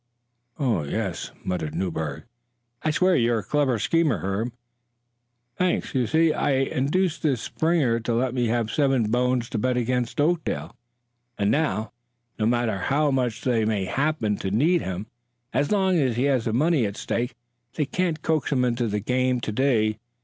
"Oh, yes," muttered Newbert. "I swear you're a clever schemer, Herb." "Thanks. You see, I induced this man Springer to let me have seven bones to bet against Oakdale, and now, no matter how much they may happen to need him, as long as he has his money at stake, they can't coax him into the game to day.